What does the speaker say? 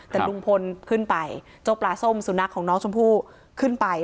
แต่ลุงพลขึ้นไปเจ้าปลาส้มสุนัขของน้องชมพู่ขึ้นไป